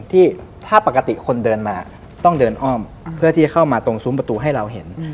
ที่ถ้าปกติคนเดินมาต้องเดินอ้อมเพื่อที่จะเข้ามาตรงซุ้มประตูให้เราเห็น